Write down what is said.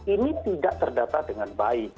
ini tidak terdata dengan baik